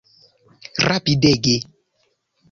Rapidege!